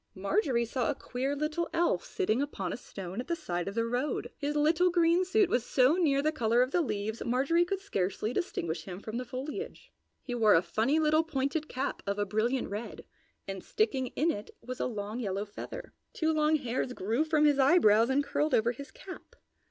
Marjorie saw a queer little elf sitting upon a stone at the side of the road. His little green suit was so near the color of the leaves Marjorie could scarcely distinguish him from the foliage. He wore a funny little pointed cap of a brilliant red, and sticking in it was a long yellow feather. Two long hairs grew from his eyebrows and curled over his cap.